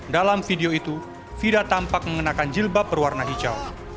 dalam video itu fida tampak mengenakan jilbab berwarna hijau